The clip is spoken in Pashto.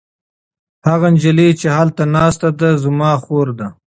هغه نجلۍ چې هلته ناسته ده زما خور ده.